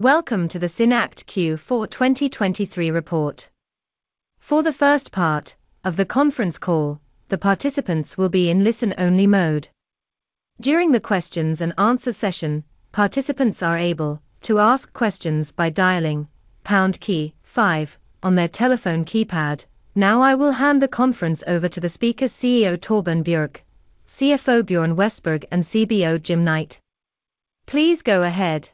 Welcome to the SynAct Q4 2023 report. For the first part of the conference call, the participants will be in listen-only mode. During the questions and answer session, participants are able to ask questions by dialing pound key five on their telephone keypad. Now, I will hand the conference over to the speaker, CEO Torbjørn Bjerke, CFO Björn Westberg, and CBO Jim Knight. Please go ahead.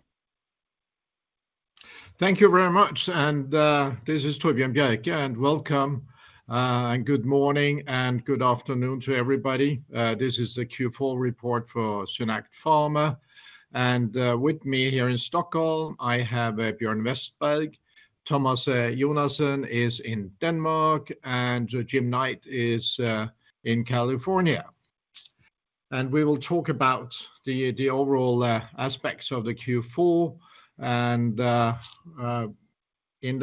Thank you very much. This is Torbjørn Bjerke, and welcome, and good morning, and good afternoon to everybody. This is the Q4 report for SynAct Pharma, and with me here in Stockholm, I have Björn Westberg. Thomas Jonassen is in Denmark, and Jim Knight is in California. We will talk about the overall aspects of the Q4. In the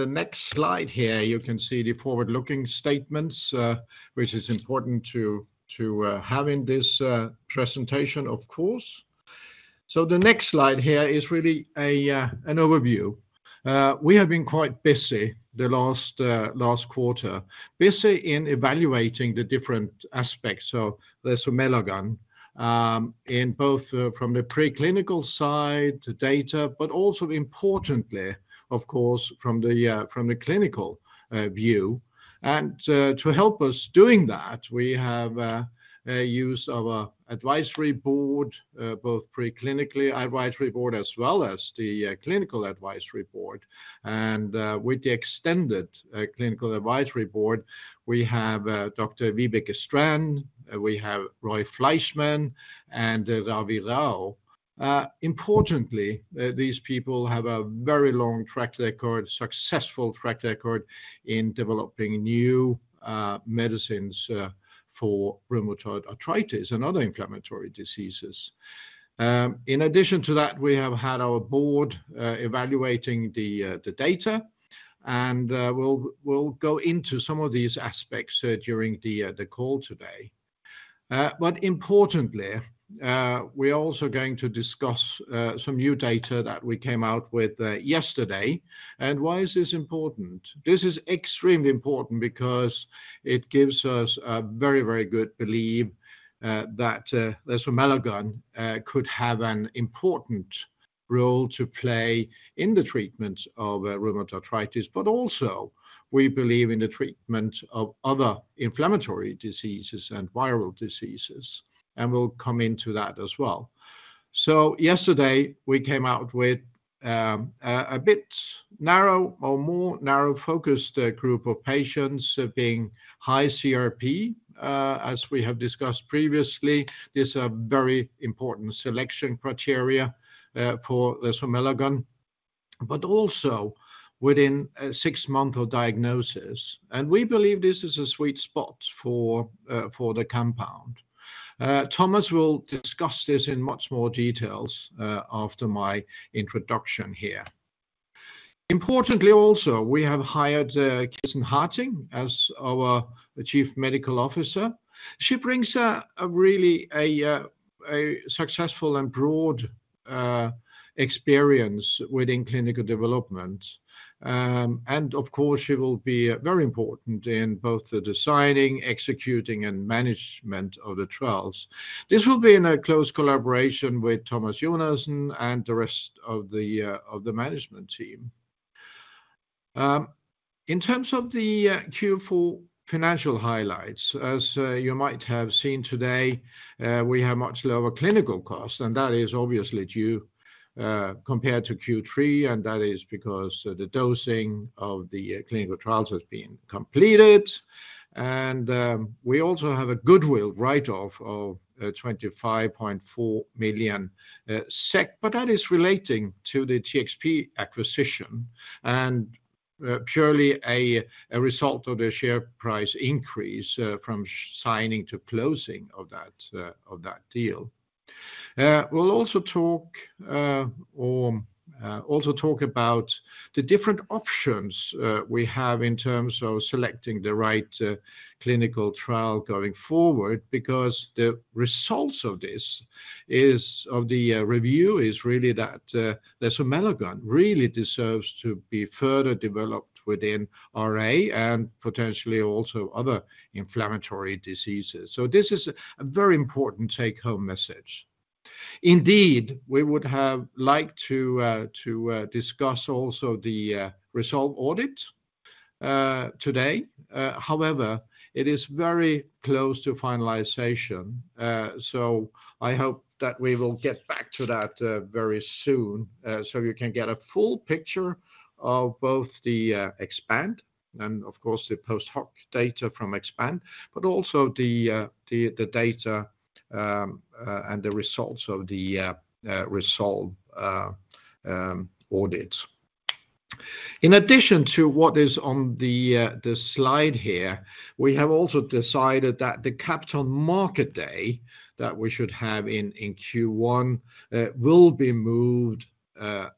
next slide here, you can see the forward-looking statements, which is important to have in this presentation, of course. So the next slide here is really an overview. We have been quite busy the last quarter, busy in evaluating the different aspects of resomelagon, in both from the preclinical side, the data, but also importantly, of course, from the clinical view. To help us do that, we have used our advisory board, both preclinical advisory board, as well as the clinical advisory board. With the extended clinical advisory board, we have Dr. Vibeke Strand, we have Roy Fleischmann, and Ravi Rao. Importantly, these people have a very long track record, successful track record in developing new medicines for rheumatoid arthritis and other inflammatory diseases. In addition to that, we have had our board evaluating the data, and we'll go into some of these aspects during the call today. But importantly, we are also going to discuss some new data that we came out with yesterday. And why is this important? This is extremely important because it gives us a very, very good belief that resomelagon could have an important role to play in the treatment of rheumatoid arthritis, but also we believe in the treatment of other inflammatory diseases and viral diseases, and we'll come into that as well. So yesterday, we came out with a bit narrow or more narrow focused group of patients being high CRP. As we have discussed previously, these are very important selection criteria for resomelagon, but also within a six-month of diagnosis. And we believe this is a sweet spot for the compound. Thomas will discuss this in much more details after my introduction here. Importantly, also, we have hired Kirsten Harting as our Chief Medical Officer. She brings a really successful and broad experience within clinical development. And of course, she will be very important in both the deciding, executing, and management of the trials. This will be in a close collaboration with Thomas Jonassen and the rest of the management team. In terms of the Q4 financial highlights, as you might have seen today, we have much lower clinical costs, and that is obviously due compared to Q3, and that is because the dosing of the clinical trials has been completed. We also have a goodwill write-off of 25.4 million SEK, but that is relating to the TXP acquisition and purely a result of the share price increase from signing to closing of that deal. We'll also talk about the different options we have in terms of selecting the right clinical trial going forward, because the results of this review is really that resomelagon really deserves to be further developed within RA and potentially also other inflammatory diseases. So this is a very important take-home message. Indeed, we would have liked to discuss also the RESOLVE audit today. However, it is very close to finalization, so I hope that we will get back to that very soon, so you can get a full picture of both the EXPAND and, of course, the post-hoc data from EXPAND, but also the data and the results of the RESOLVE audit. In addition to what is on the slide here, we have also decided that the Capital Markets Day that we should have in Q1 will be moved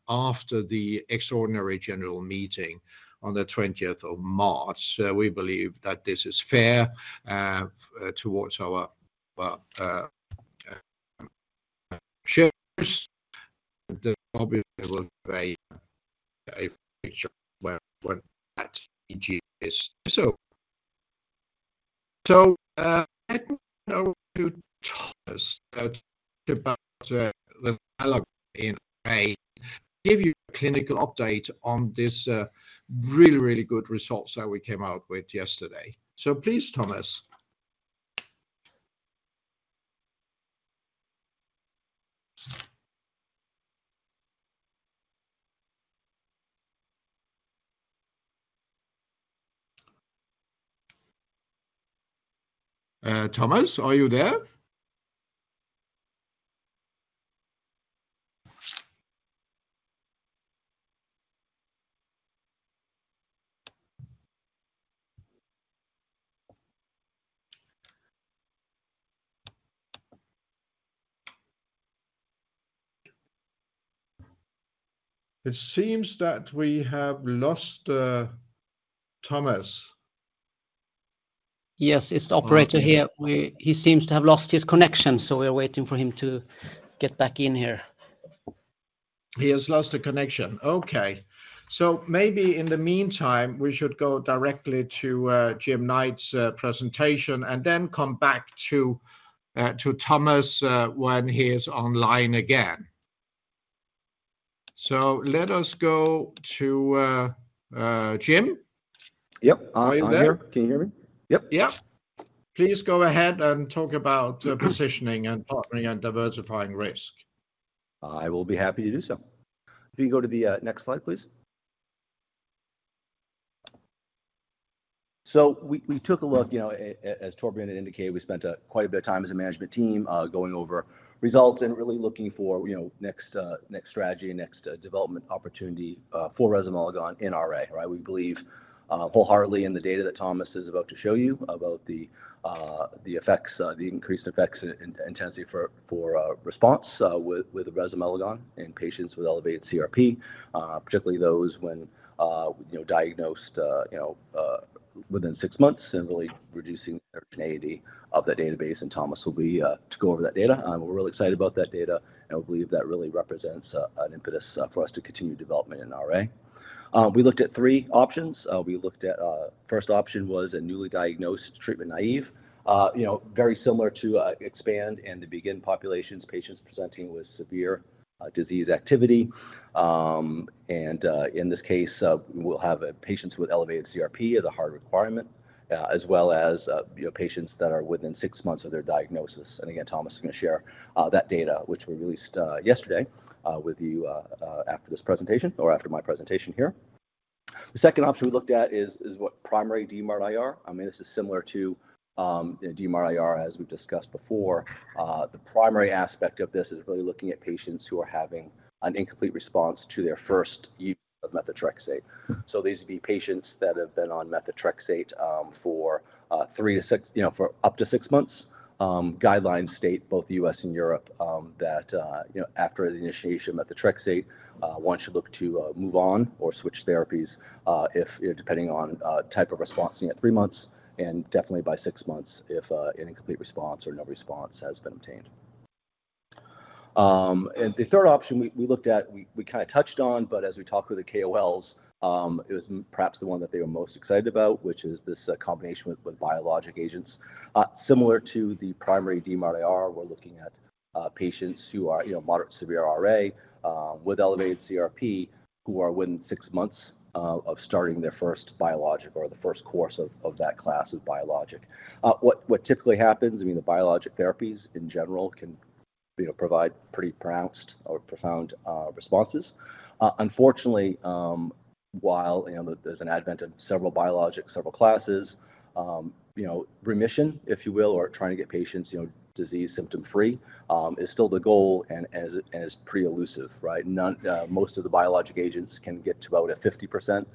after the extraordinary general meeting on the twentieth of March. We believe that this is fair towards our, well, shareholders. They probably will give a picture where that EGM is. So let me now to Thomas about the development in RA. Give you a clinical update on this really, really good results that we came out with yesterday. So please, Thomas. Thomas, are you there? It seems that we have lost Thomas. Yes, it's the operator here. He seems to have lost his connection, so we're waiting for him to get back in here. He has lost the connection. Okay. So maybe in the meantime, we should go directly to Jim Knight's presentation and then come back to Thomas when he is online again. So let us go to Jim. Yep, I'm here. Are you there? Can you hear me? Yep. Yeah. Please go ahead and talk about positioning and partnering and diversifying risk. I will be happy to do so. Can you go to the next slide, please? So we took a look, you know, as Torbjørn had indicated, we spent quite a bit of time as a management team going over results and really looking for, you know, next strategy, next development opportunity for resomelagon in RA, right? We believe wholeheartedly in the data that Thomas is about to show you, about the effects, the increased effects in intensity for response with resomelagon in patients with elevated CRP, particularly those when, you know, diagnosed within six months, and really reducing the heterogeneity of that database, and Thomas will be to go over that data. We're really excited about that data, and we believe that really represents an impetus for us to continue development in RA. We looked at three options. We looked at. First option was a newly diagnosed treatment-naive, you know, very similar to EXPAND and to BEGIN populations, patients presenting with severe disease activity. And in this case, we'll have patients with elevated CRP as a hard requirement, as well as, you know, patients that are within six months of their diagnosis. And again, Thomas is gonna share that data, which we released yesterday, with you after this presentation or after my presentation here. The second option we looked at is what primary DMARD-IR. I mean, this is similar to DMARD-IR, as we've discussed before. The primary aspect of this is really looking at patients who are having an incomplete response to their first use of methotrexate. So these would be patients that have been on methotrexate for 3 to 6, you know, for up to six months. Guidelines state, both U.S. and Europe, that you know, after the initiation methotrexate, one should look to move on or switch therapies if, depending on type of response at three months, and definitely by six months if an incomplete response or no response has been obtained. And the third option we kinda touched on, but as we talked with the KOLs, it was perhaps the one that they were most excited about, which is this combination with biologic agents. Similar to the primary DMARD-IR, we're looking at patients who are, you know, moderate severe RA, with elevated CRP, who are within six months of starting their first biologic or the first course of that class of biologic. What typically happens, I mean, the biologic therapies in general can, you know, provide pretty pronounced or profound responses. Unfortunately, while, you know, there's an advance in several biologics, several classes, you know, remission, if you will, or trying to get patients, you know, disease symptom-free, is still the goal and it is pretty elusive, right? No, most of the biologic agents can get to about 50%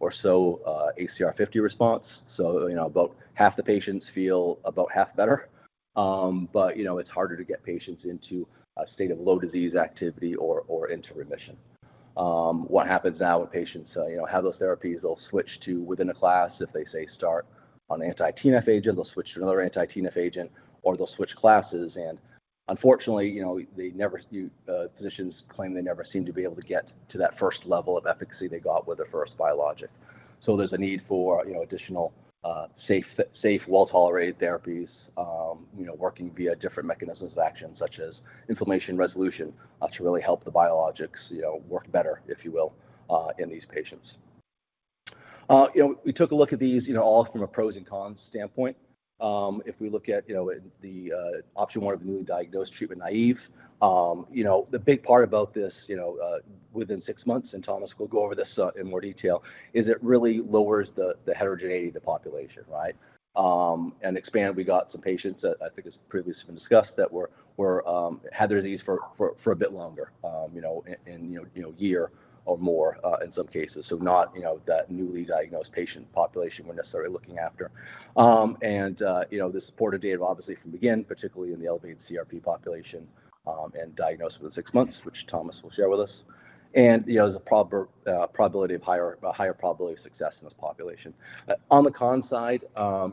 or so, ACR50 response. So, you know, about half the patients feel about half better, but, you know, it's harder to get patients into a state of low disease activity or, or into remission. What happens now with patients, you know, have those therapies, they'll switch to within a class. If they, say, start on anti-TNF agent, they'll switch to another anti-TNF agent, or they'll switch classes, and unfortunately, you know, they never, physicians claim they never seem to be able to get to that first level of efficacy they got with their first biologic. So there's a need for, you know, additional, safe, safe, well-tolerated therapies, you know, working via different mechanisms of action, such as inflammation resolution, to really help the biologics, you know, work better, if you will, in these patients. You know, we took a look at these, you know, all from a pros and cons standpoint. If we look at, you know, the option one of the newly diagnosed treatment-naïve, you know, the big part about this, you know, within six months, and Thomas will go over this in more detail, is it really lowers the heterogeneity of the population, right? And EXPAND, we got some patients that I think has previously been discussed, that were had these for a bit longer, you know, in a year or more, in some cases. So not, you know, that newly diagnosed patient population we're necessarily looking after. And, you know, the supportive data obviously from again, particularly in the elevated CRP population, and diagnosed with the six months, which Thomas will share with us, and, you know, there's a probability of higher, a higher probability of success in this population. On the con side,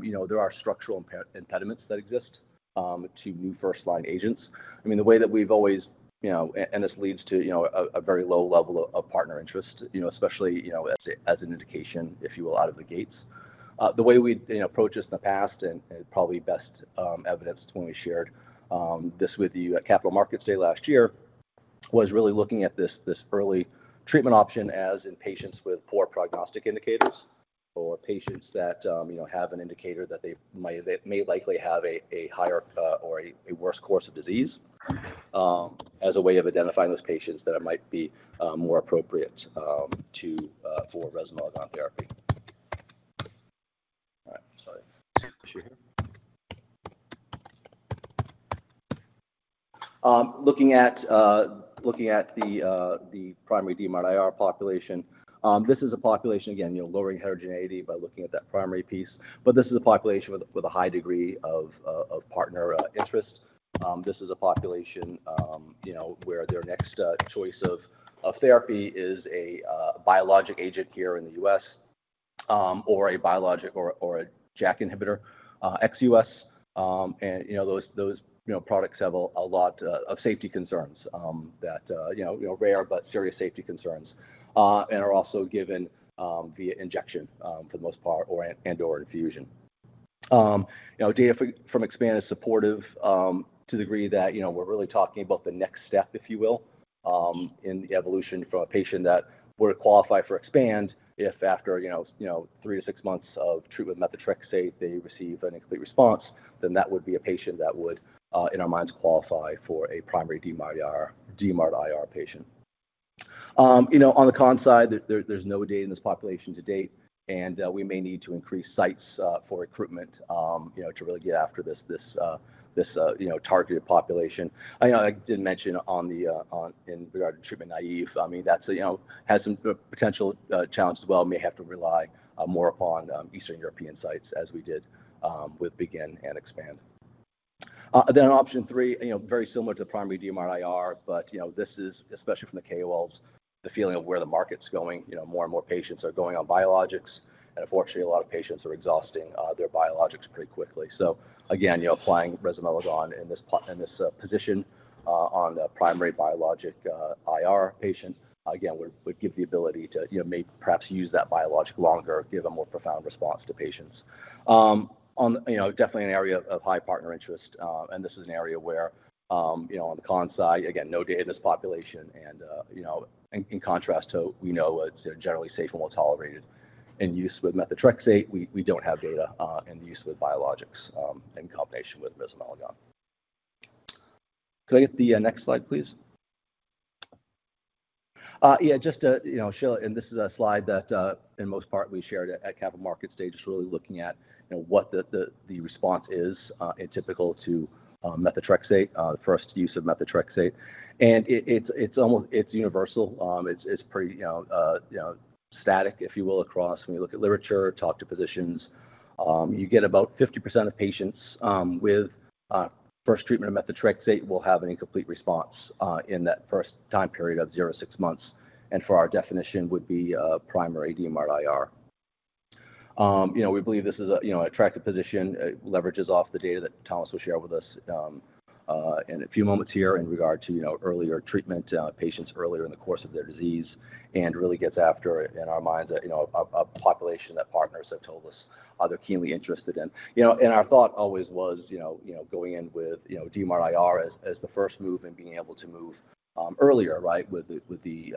you know, there are structural impediments that exist, to new first-line agents. I mean, the way that we've always, you know, and, and this leads to, you know, a, a very low level of, of partner interest, you know, especially, you know, as an indication, if you will, out of the gates. The way we, you know, approached this in the past, and, and probably best evidenced when we shared this with you at Capital Markets Day last year, was really looking at this, this early treatment option, as in patients with poor prognostic indicators or patients that, you know, have an indicator that they might, they may likely have a, a higher, or a, a worse course of disease, as a way of identifying those patients that it might be more appropriate to for resomelagon therapy. All right, sorry. Share here. Looking at looking at the primary DMARD-IR population, this is a population, again, you know, lowering heterogeneity by looking at that primary piece, but this is a population with a, with a high degree of partner interest. This is a population, you know, where their next choice of therapy is a biologic agent here in the U.S., or a biologic or a JAK inhibitor ex U.S. You know, those products have a lot of safety concerns, that you know, rare but serious safety concerns, and are also given via injection for the most part, or and/or infusion. You know, data from EXPAND is supportive, to the degree that, you know, we're really talking about the next step, if you will, in the evolution for a patient that were to qualify for EXPAND, if after, you know, 3 to 6 months of treatment with methotrexate, they receive an incomplete response, then that would be a patient that would, in our minds, qualify for a primary DMARD-IR, DMARD-IR patient. You know, on the con side, there's no data in this population to date, and we may need to increase sites for recruitment, you know, to really get after this targeted population. I know I didn't mention on the on. In regard to treatment-naïve, I mean, that's, you know, has some potential challenges as well and may have to rely more upon Eastern European sites, as we did with BEGIN and EXPAND. Then on option three, you know, very similar to primary DMARD-IR, but, you know, this is, especially from the KOLs, the feeling of where the market's going. You know, more and more patients are going on biologics, and unfortunately, a lot of patients are exhausting their biologics pretty quickly. So again, you know, applying resomelagon in this position on the primary biologic-IR patient, again, would give the ability to, you know, maybe perhaps use that biologic longer, give a more profound response to patients. On you know, definitely an area of high partner interest, and this is an area where, you know, on the con side, again, no data in this population, and, you know, in, in contrast to, we know it's generally safe and well-tolerated in use with methotrexate, we, we don't have data, in the use with biologics, in combination with resomelagon. Could I get the next slide, please? Yeah, just to, you know, show. And this is a slide that, in most part, we shared at Capital Markets Day, just really looking at, you know, what the, the, the response is, in typical to methotrexate, the first use of methotrexate. And it, it's, it's almost - it's universal. It's pretty, you know, you know, static, if you will, across when you look at literature, talk to physicians. You get about 50% of patients with first treatment of methotrexate will have an incomplete response in that first time period of 0 to 6 months, and for our definition, would be primary DMARD-IR. You know, we believe this is a, you know, attractive position. It leverages off the data that Thomas will share with us in a few moments here in regard to, you know, earlier treatment patients earlier in the course of their disease, and really gets after, in our minds, a you know, population that partners have told us they're keenly interested in. You know, and our thought always was, you know, going in with DMARD-IR as the first move and being able to move earlier, right? With the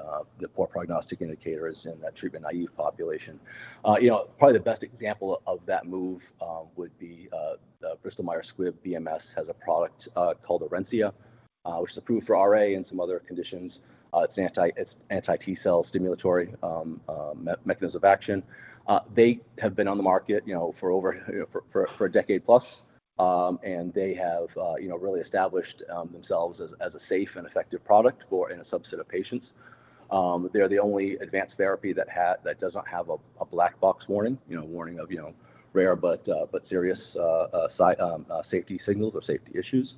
poor prognostic indicators in that treatment-naïve population. You know, probably the best example of that move would be the Bristol Myers Squibb, BMS, has a product called Orencia, which is approved for RA and some other conditions. It's anti-T-cell stimulatory mechanism of action. They have been on the market, you know, for over a decade plus. And they have, you know, really established themselves as a safe and effective product for in a subset of patients. They're the only advanced therapy that doesn't have a black box warning, you know, a warning of, you know, rare but serious safety signals or safety issues.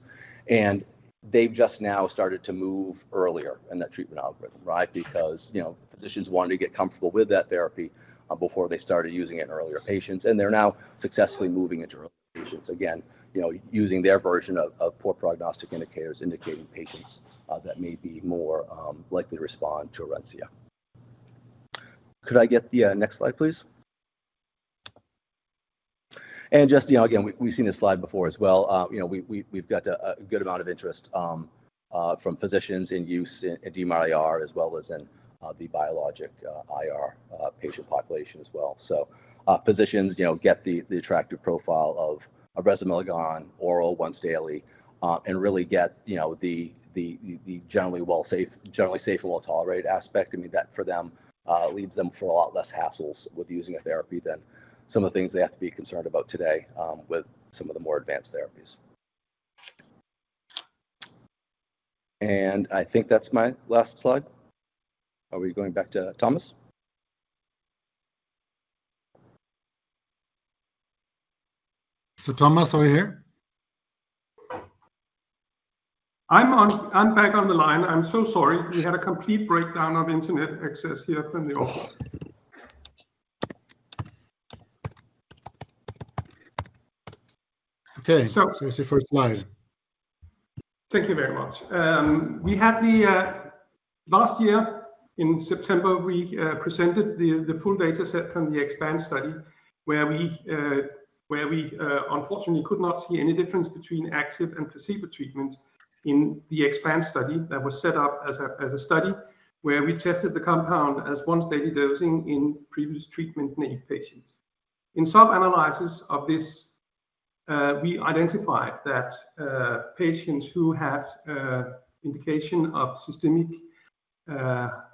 And they've just now started to move earlier in that treatment algorithm, right? Because, you know, physicians wanted to get comfortable with that therapy before they started using it in earlier patients, and they're now successfully moving into early patients. Again, you know, using their version of poor prognostic indicators, indicating patients that may be more likely to respond to Orencia. Could I get the next slide, please? And just, you know, again, we've seen this slide before as well. You know, we've got a good amount of interest from physicians in use in DMARD-IR, as well as in the biologic-IR patient population as well. So, physicians, you know, get the attractive profile of resomelagon, oral once daily, and really get, you know, the generally well safe, generally safe and well-tolerated aspect. I mean, that for them leads them for a lot less hassles with using a therapy than some of the things they have to be concerned about today, with some of the more advanced therapies. And I think that's my last slide. Are we going back to Thomas? So Thomas, are you here? I'm back on the line. I'm so sorry. We had a complete breakdown of internet access here from the office. Okay. So it's your first slide. Thank you very much. Last year, in September, we presented the full data set from the EXPAND study, where we unfortunately could not see any difference between active and placebo treatments in the EXPAND study that was set up as a study, where we tested the compound as once-daily dosing in previous treatment-naïve patients. In some analysis of this, we identified that patients who had indication of systemic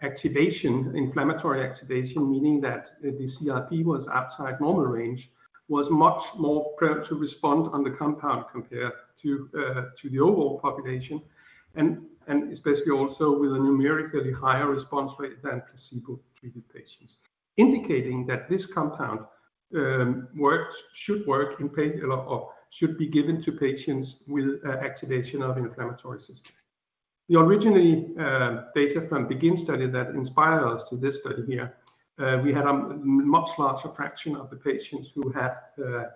activation, inflammatory activation, meaning that the CRP was outside normal range, was much more prone to respond on the compound compared to to the overall population, and, and especially also with a numerically higher response rate than placebo-treated patients. Indicating that this compound works, should work in or, or should be given to patients with activation of inflammatory system. The originally data from BEGIN study that inspired us to this study here, we had a much larger fraction of the patients who had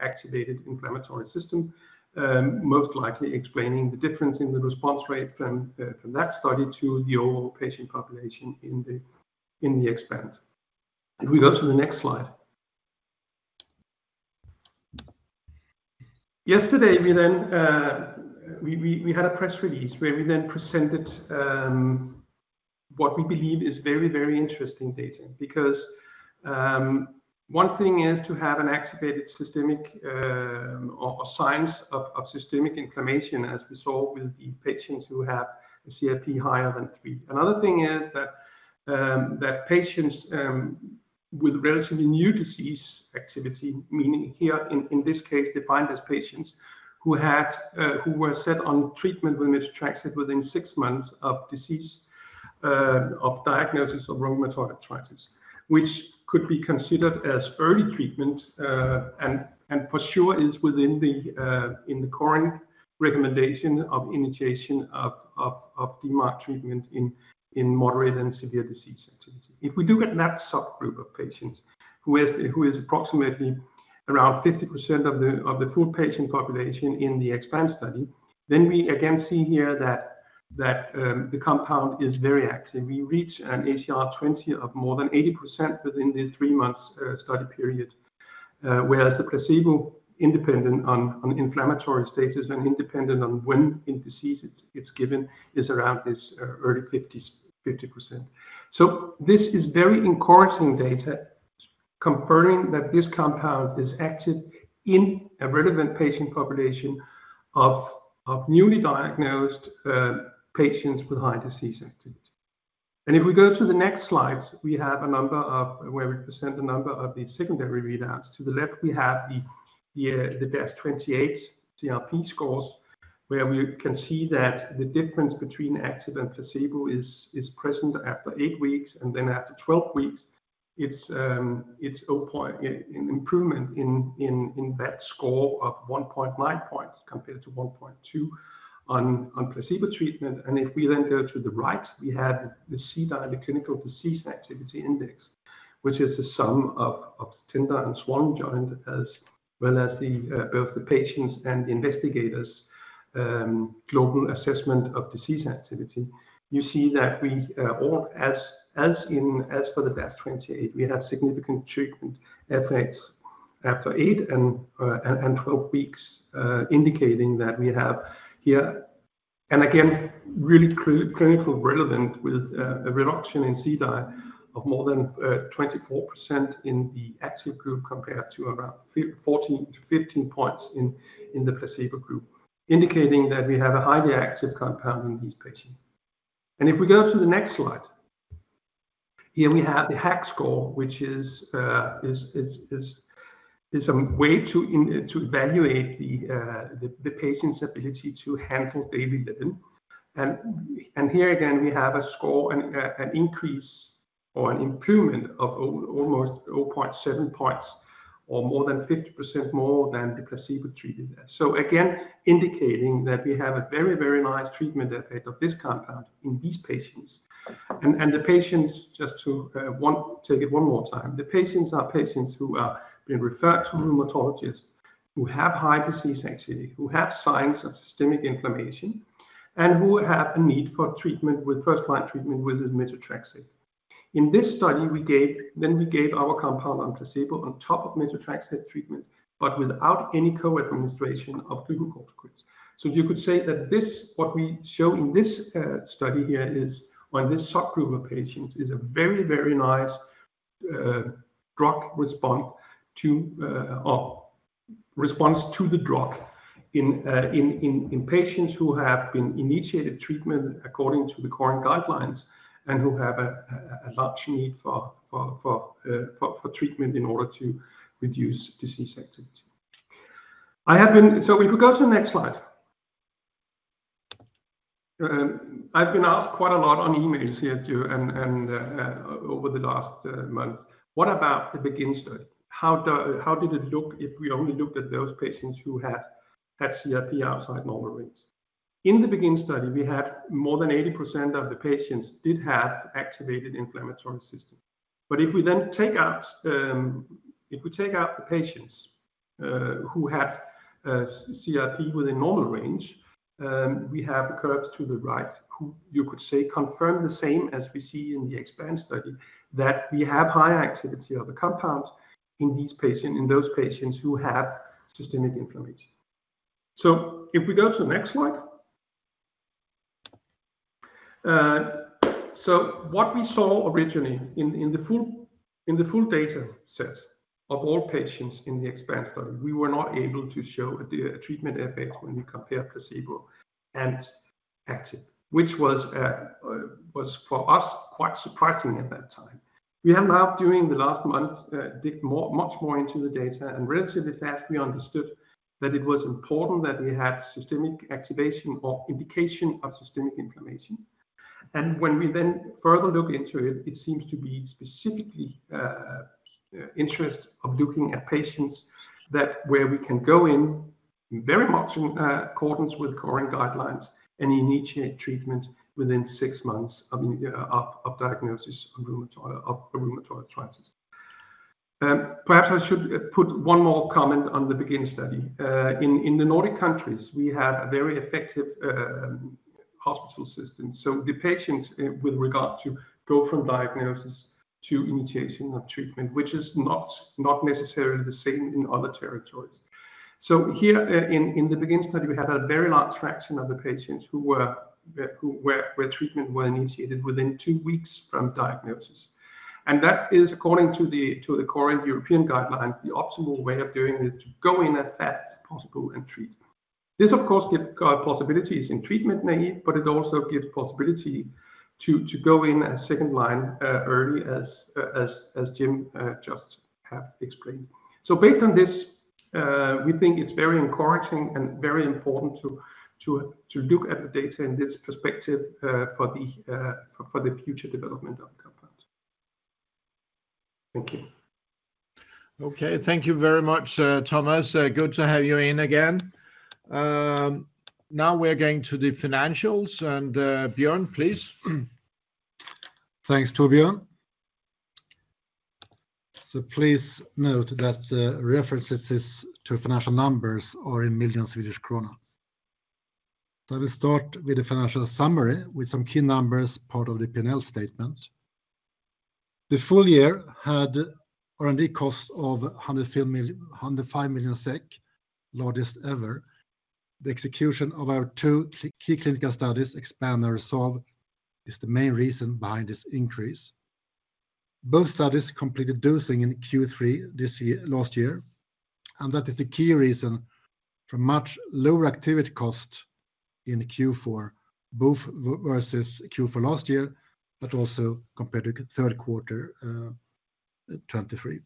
activated inflammatory system, most likely explaining the difference in the response rate from from that study to the overall patient population in the, in the EXPAND. If we go to the next slide. Yesterday, we then had a press release where we then presented what we believe is very, very interesting data. Because, one thing is to have an activated systemic or signs of systemic inflammation, as we saw with the patients who have a CRP higher than three. Another thing is that patients with relatively new disease activity, meaning here in this case, defined as patients who were set on treatment with methotrexate within six months of diagnosis of rheumatoid arthritis, which could be considered as early treatment, and for sure is within the in the current recommendation of initiation of DMARD treatment in moderate and severe disease activity. If we do get that subgroup of patients who is approximately around 50% of the full patient population in the EXPAND study, then we again see here that the compound is very active. We reach an ACR20 of more than 80% within the three months study period, whereas the placebo, independent on inflammatory status and independent on when in disease it's given, is around this early 50s, 50%. So this is very encouraging data confirming that this compound is active in a relevant patient population of newly diagnosed patients with high disease activity. And if we go to the next slides, we have a number of, where we present the number of the secondary readouts. To the left, we have the DAS28-CRP scores, where we can see that the difference between active and placebo is present after eight weeks, and then after 12 weeks, it's an improvement in that score of 1.9 points compared to 1.2 on placebo treatment. If we then go to the right, we have the CDAI, the Clinical Disease Activity Index, which is the sum of tender and swollen joint, as well as both the patients and the investigators' global assessment of disease activity. You see that we, as for the DAS28, we have significant treatment effects after 8 and 12 weeks, indicating that we have here, and again, really clinically relevant with a reduction in CDAI of more than 24% in the active group, compared to around 14 to 15 points in the placebo group, indicating that we have a highly active compound in these patients. If we go to the next slide. Here we have the HAQ score, which is a way to evaluate the patient's ability to handle daily living. And here again, we have a score, an increase or an improvement of almost 0.7 points, or more than 50% more than the placebo treated. So again, indicating that we have a very, very nice treatment effect of this compound in these patients. And the patients, just to take it one more time, the patients are patients who are being referred to rheumatologists, who have high disease activity, who have signs of systemic inflammation, and who have a need for treatment with first-line treatment with methotrexate. In this study, we gave, then we gave our compound or placebo on top of methotrexate treatment, but without any co-administration of glucocorticoids. So you could say that this, what we show in this study here is on this subgroup of patients, is a very, very nice drug response to or response to the drug in patients who have been initiated treatment according to the current guidelines and who have a large need for treatment in order to reduce disease activity. I have been. So if we could go to the next slide. And I've been asked quite a lot on emails here too, and over the last month, what about the BEGIN study? How did it look if we only looked at those patients who had CRP outside normal range? In the BEGIN study, we had more than 80% of the patients did have activated inflammatory system. But if we then take out if we take out the patients who had CRP within normal range, we have curves to the right, who you could say confirm the same as we see in the EXPAND study, that we have high activity of the compounds in these patients, in those patients who have systemic inflammation. So if we go to the next slide. So what we saw originally in the full data set of all patients in the EXPAND study, we were not able to show the treatment effect when we compare placebo and active, which was for us quite surprising at that time. We have now, during the last month, dug much more into the data, and relatively fast, we understood that it was important that we had systemic activation or indication of systemic inflammation. When we then further look into it, it seems to be specifically interest of looking at patients that where we can go in very much accordance with current guidelines and initiate treatment within six months of diagnosis of rheumatoid arthritis. Perhaps I should put one more comment on the BEGIN study. In the Nordic countries, we have a very effective hospital system. So the patients with regard to go from diagnosis to initiation of treatment, which is not necessarily the same in other territories. So here in the BEGIN study, we had a very large fraction of the patients who were where treatment were initiated within two weeks from diagnosis. And that is according to the current European guidelines, the optimal way of doing it, to go in as fast as possible and treat. This, of course, give possibilities in treatment maybe, but it also gives possibility to go in as second line, early as Jim just have explained. So based on this, we think it's very encouraging and very important to look at the data in this perspective, for the future development of the compounds. Thank you. Okay. Thank you very much, Thomas. Good to have you in again. Now we're going to the financials, and, Björn, please. Thanks, Torbjørn. So please note that the references to financial numbers are in million Swedish krona. So I will start with the financial summary, with some key numbers, part of the P&L statement. The full year had R&D cost of 100 million SEK, 105 million SEK, largest ever. The execution of our two key clinical studies, EXPAND and RESOLVE, is the main reason behind this increase. Both studies completed dosing in Q3 this year, last year, and that is the key reason for much lower activity cost in Q4, both versus Q4 last year, but also compared to the third quarter 2023.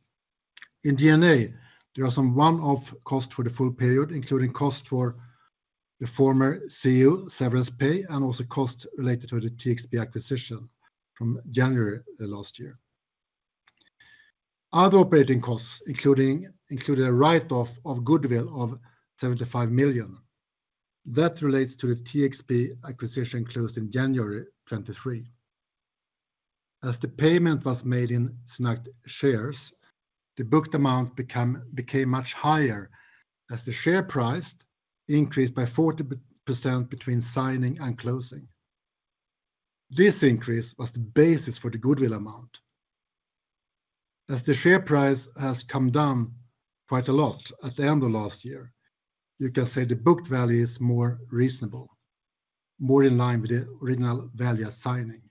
In G&A, there are some one-off costs for the full period, including cost for the former CEO, severance pay, and also costs related to the TXP acquisition from January last year. Other operating costs, including a write-off of goodwill of 75 million. That relates to the TXP acquisition closed in January 2023. As the payment was made in SynAct shareholders, the booked amount became much higher as the share price increased by 40% between signing and closing. This increase was the basis for the goodwill amount. As the share price has come down quite a lot at the end of last year, you can say the booked value is more reasonable, more in line with the original value at signing.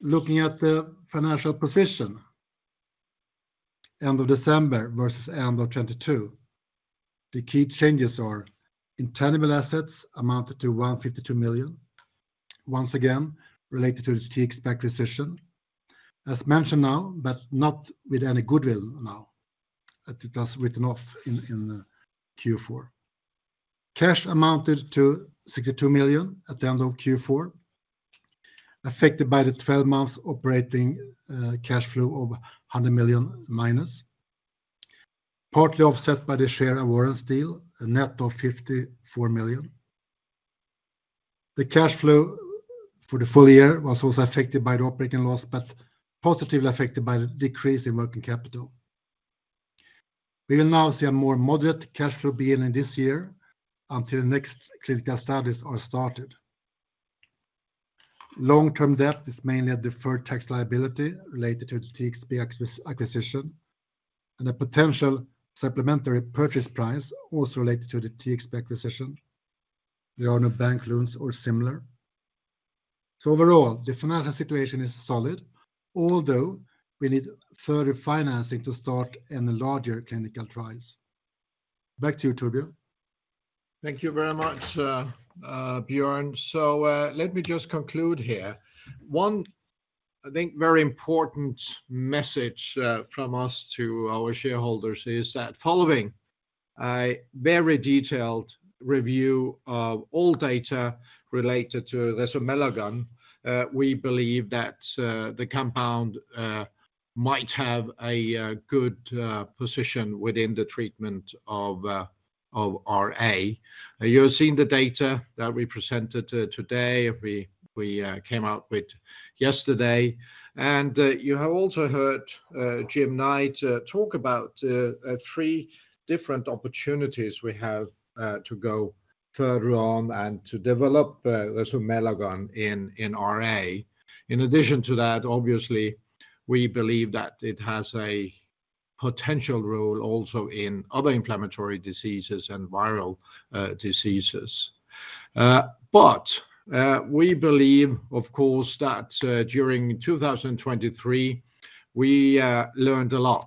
Looking at the financial position, end of December versus end of 2022, the key changes are: intangible assets amounted to 152 million, once again, related to the TXP acquisition. As mentioned now, but not with any goodwill now, that it was written off in Q4. Cash amounted to 62 million at the end of Q4, affected by the 12-month operating cash flow of -100 million, partly offset by the share warrants deal, a net of 54 million. The cash flow for the full year was also affected by the operating loss, but positively affected by the decrease in working capital. We will now see a more moderate cash flow beginning this year until the next clinical studies are started. Long-term debt is mainly a deferred tax liability related to the TXP acquisition, and a potential supplementary purchase price also related to the TXP acquisition. There are no bank loans or similar. So overall, the financial situation is solid, although we need further financing to start in the larger clinical trials. Back to you, Torbjørn. Thank you very much, Björn. So, let me just conclude here. I think very important message from us to our shareholders is that following a very detailed review of all data related to resomelagon, we believe that the compound might have a good position within the treatment of of RA. You have seen the data that we presented today, we we came out with yesterday. And, you have also heard, Jim Knight, talk about three different opportunities we have to go further on and to develop resomelagon in in RA. In addition to that, obviously, we believe that it has a potential role also in other inflammatory diseases and viral diseases. But, we believe, of course, that, during 2023, we learned a lot.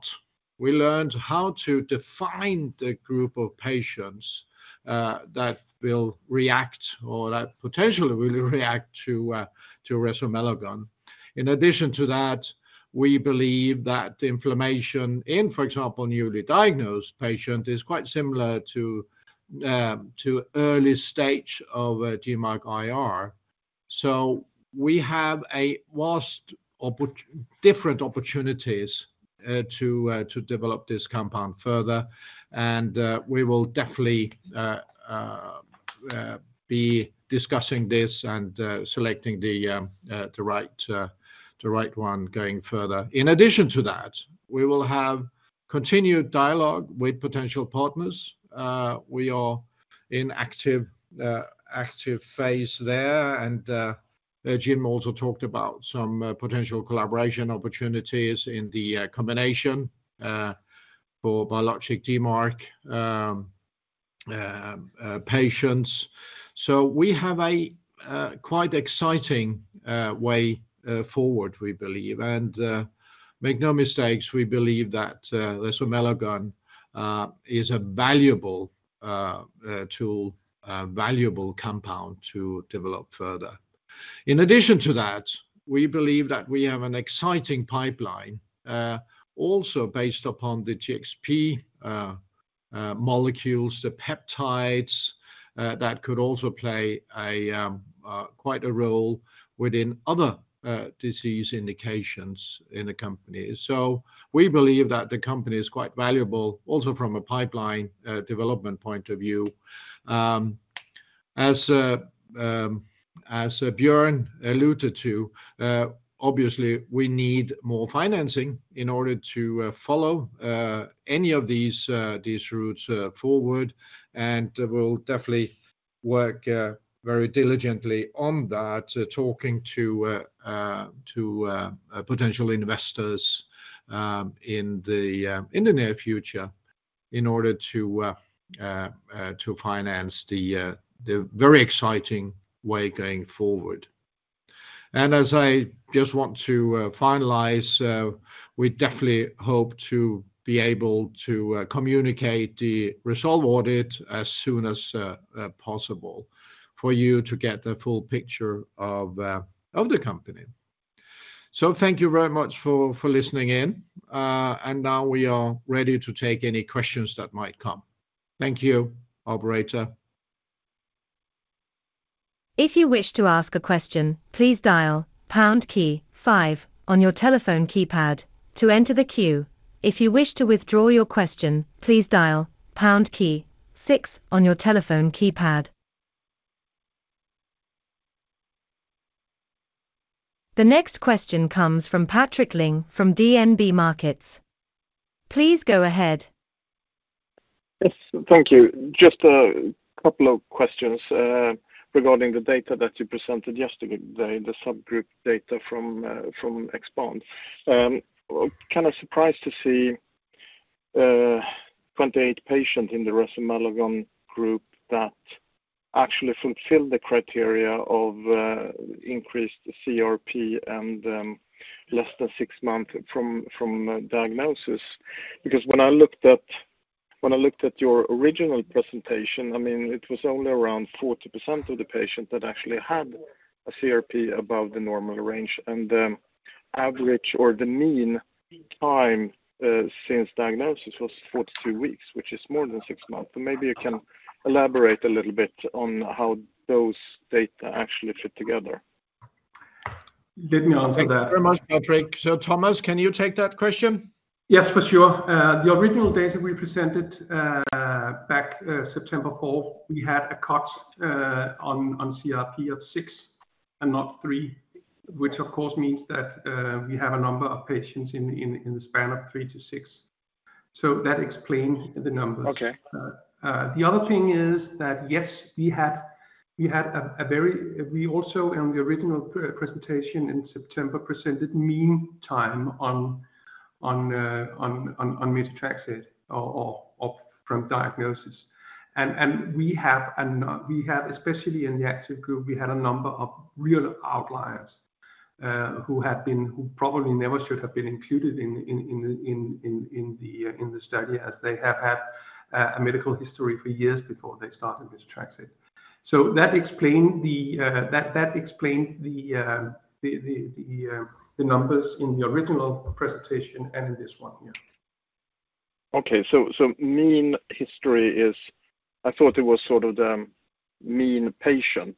We learned how to define the group of patients, that will react or that potentially will react to, to resomelagon. In addition to that, we believe that inflammation in, for example, newly diagnosed patient, is quite similar to, to early stage of, DMARD-IR. So we have different opportunities, to, to develop this compound further, and, we will definitely, be discussing this and, selecting the, the right, the right one going further. In addition to that, we will have continued dialogue with potential partners. We are in active phase there, and Jim also talked about some potential collaboration opportunities in the combination for biologic DMARD patients. So we have a quite exciting way forward, we believe. And make no mistakes, we believe that resomelagon is a valuable tool, valuable compound to develop further. In addition to that, we believe that we have an exciting pipeline also based upon the TXP molecules, the peptides, that could also play quite a role within other disease indications in the company. So we believe that the company is quite valuable, also from a pipeline development point of view. As Björn alluded to, obviously we need more financing in order to follow any of these routes forward, and we'll definitely work very diligently on that, talking to potential investors in the near future, in order to finance the very exciting way going forward. And as I just want to finalize, we definitely hope to be able to communicate the RESOLVE data as soon as possible for you to get the full picture of the company. So thank you very much for listening in, and now we are ready to take any questions that might come. Thank you. Operator? If you wish to ask a question, please dial pound key five on your telephone keypad to enter the queue. If you wish to withdraw your question, please dial pound key six on your telephone keypad. The next question comes from Patrik Ling from DNB Markets. Please go ahead. Yes, thank you. Just a couple of questions regarding the data that you presented yesterday, the subgroup data from EXPAND. Kind of surprised to see 28 patient in the resomelagon group that actually fulfilled the criteria of increased CRP and less than six months from diagnosis. Because when I looked at your original presentation, I mean, it was only around 40% of the patient that actually had a CRP above the normal range, and the average or the mean time since diagnosis was 42 weeks, which is more than six months. So maybe you can elaborate a little bit on how those data actually fit together. Let me answer that. Thank you very much, Patrik. So, Thomas, can you take that question? Yes, for sure. The original data we presented back September fourth, we had a cut on on CRP of six and not three, which of course means that we have a number of patients in in in the span of 3 to 6. So that explains the numbers. Okay. The other thing is that, yes, we had. We also, in the original presentation in September, presented mean time on methotrexate or from diagnosis. We have, especially in the active group, a number of real outliers who probably never should have been included in the study, as they have had a medical history for years before they started methotrexate. So that explained the numbers in the original presentation and in this one here. Okay, so mean history is. I thought it was sort of the mean patient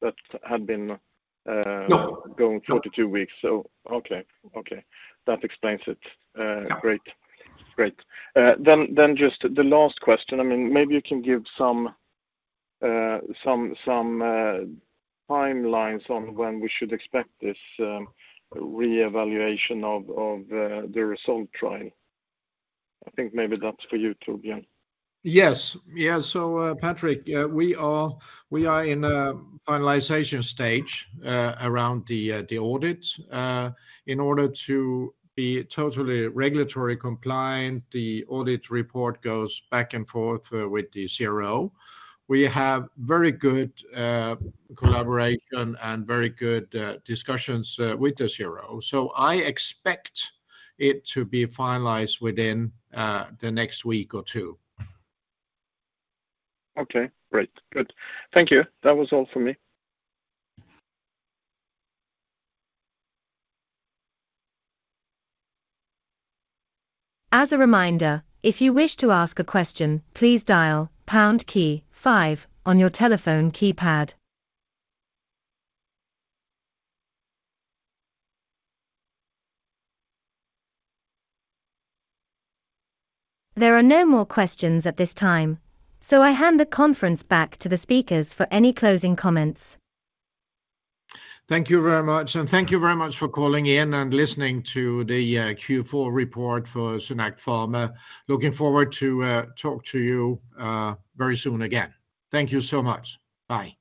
that had been. No. Going 42 weeks. So okay, okay. That explains it. Great. Great. Then just the last question. I mean, maybe you can give some timelines on when we should expect this reevaluation of the RESOLVE trial. I think maybe that's for you too, Torbjørn. Yes. Yeah, so, Patrik, we are in a finalization stage around the audit. In order to be totally regulatory compliant, the audit report goes back and forth with the CRO. We have very good collaboration and very good discussions with the CRO, so I expect it to be finalized within the next week or two. Okay, great. Good. Thank you. That was all for me. As a reminder, if you wish to ask a question, please dial pound key five on your telephone keypad. There are no more questions at this time, so I hand the conference back to the speakers for any closing comments. Thank you very much, and thank you very much for calling in and listening to the Q4 report for SynAct Pharma. Looking forward to talk to you very soon again. Thank you so much. Bye.